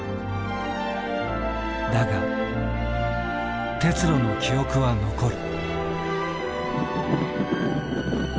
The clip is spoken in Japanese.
だが鉄路の記憶は残る。